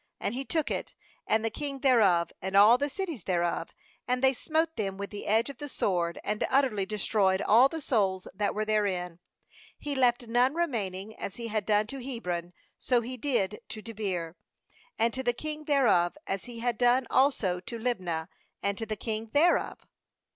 39And he took it, and the king thereof, and all the cities thereof; and they smote them with the edge of the sword, and utterly destroyed all the souls that were therein; he left none remaining; as he had done to Hebron, so he did to Debir, and to the king thereof; as he had done also to Libnah, and to the king thereof.